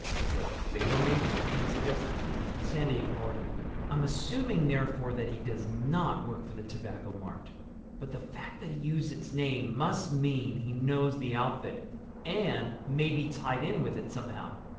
"As a favor, maybe," Ken suggested. Sandy ignored him. "I'm assuming, therefore, that he does not work for the Tobacco Mart. But the fact that he used its name must mean he knows the outfit—and may be tied in with it somehow.